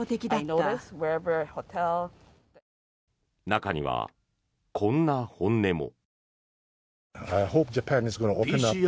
中には、こんな本音も。